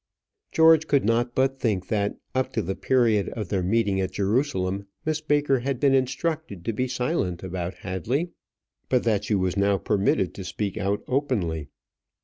George could not but think that up to the period of their meeting at Jerusalem, Miss Baker had been instructed to be silent about Hadley, but that she was now permitted to speak out openly.